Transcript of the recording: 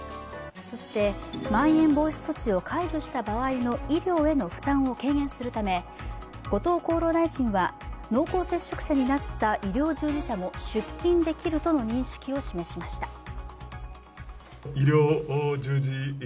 まん延防止措置を解除した場合の医療への負担を軽減するため後藤厚労大臣は濃厚接触者になった医療従事者も出勤できるとの認識を示しました。